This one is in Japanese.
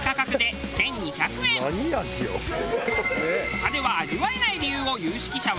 他では味わえない理由を有識者は。